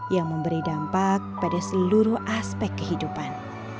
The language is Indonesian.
yang memberi dampak pada seluruh aspek kehidupan